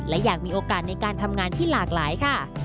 และอยากมีโอกาสในการทำงานที่หลากหลายค่ะ